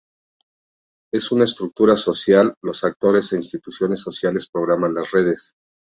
En una estructura social, los actores e instituciones sociales programan las redes.